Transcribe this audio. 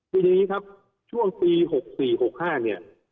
คืออย่างงี้ครับช่วงปีหกสี่หกห้าเนี่ย